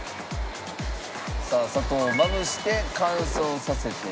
さあ砂糖をまぶして乾燥させて。